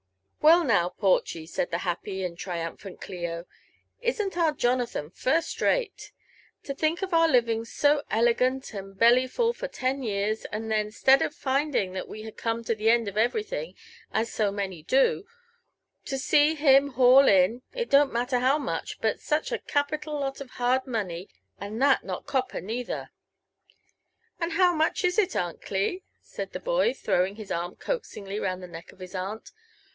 Well, now, Porchy," said the happy and triumphant Clio, isn't our Jonathan first rate? To think of our living so elegant and belly full for ten years, and then, 'stead of finding that we had come to the end of everything, as so many do, to see him haul in — it don't matter how much, but such a capital lot of hard money, and that not copper neither I ''And how much is it, Aunt Cli?" said the boy, throwing his arm coaxingly round the neck of his aunt.